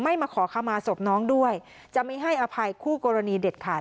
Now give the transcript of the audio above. มาขอขมาศพน้องด้วยจะไม่ให้อภัยคู่กรณีเด็ดขาด